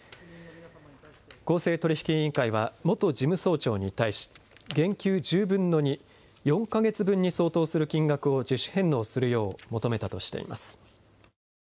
公正取引委員会は元事務総長に対し減給１０分の２、４か月分に相当する金額を自主返納するよう求めたとしています。